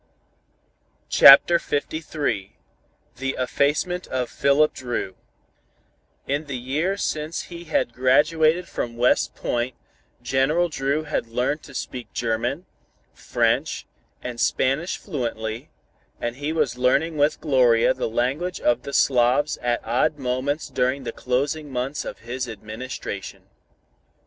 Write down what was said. CHAPTER LIII THE EFFACEMENT OF PHILIP DRU In the years since he had graduated from West Point General Dru had learned to speak German, French and Spanish fluently, and he was learning with Gloria the language of the Slavs at odd moments during the closing months of his administration.